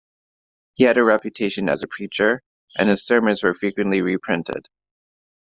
He had a reputation as a preacher, and his sermons were frequently reprinted.